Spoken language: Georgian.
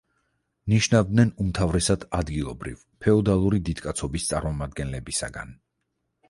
ნიშნავდნენ უმთავრესად ადგილობრივ, ფეოდალური დიდკაცობის წარმომადგენლებისაგან.